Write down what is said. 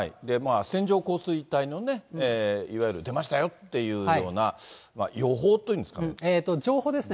線状降水帯のいわゆる出ましたよっていうような、予報という情報ですね。